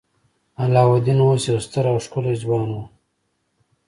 علاوالدین اوس یو ستر او ښکلی ځوان و.